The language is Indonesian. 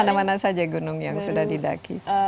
mana mana saja gunung yang sudah didaki